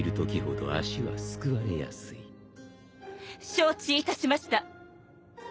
承知いたしました。